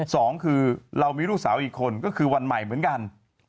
สองคือเรามีลูกสาวอีกคนก็คือวันใหม่เหมือนกัน